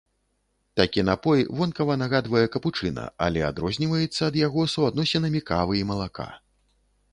Такі напой вонкава нагадвае капучына, але адрозніваецца ад яго суадносінамі кавы і малака.